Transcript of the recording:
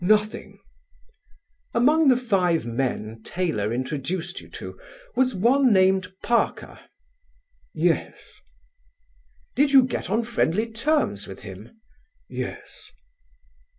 "Nothing." "Among the five men Taylor introduced you to, was one named Parker?" "Yes." "Did you get on friendly terms with him?" "Yes."